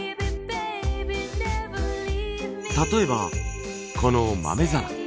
例えばこの豆皿。